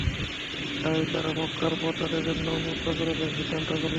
তাই তারা মক্কার পথ তাদের জন্য উন্মুক্ত করে দেয়ার সিদ্ধান্ত করল।